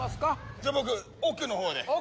じゃ僕奥の方で奥？